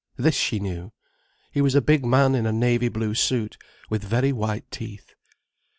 This she knew. He was a big man in a navy blue suit, with very white teeth.